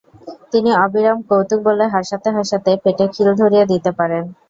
তিনি অবিরাম কৌতুক বলে হাসাতে হাসাতে পেটে খিল ধরিয়ে দিতে পারেন।